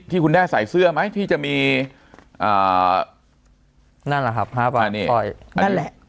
ที่คุณแด่ใส่เสื้อไหมที่จะมีอ่านั่นแหละครับห้าบาทสร้อยนั่นแหละ